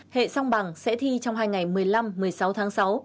hệ song bằng sẽ thi trong hai ngày một mươi năm một mươi sáu tháng sáu